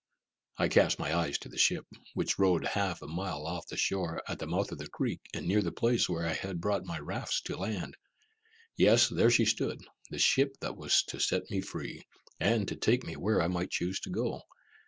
I cast my eyes to the ship, which rode half a mile off the shore, at the mouth of the creek, and near the place where I had brought my rafts to the land. Yes, there she stood, the ship that was to set me free, and to take me where I might choose to go.